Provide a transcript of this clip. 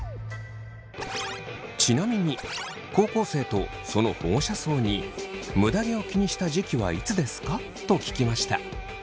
ちなみに高校生とその保護者層に「むだ毛を気にした時期はいつですか？」と聞きました。